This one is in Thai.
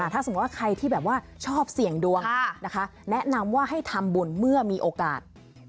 ถ้าสมมุติว่าใครที่แบบว่าชอบเสี่ยงดวงนะคะแนะนำว่าให้ทำบุญเมื่อมีโอกาส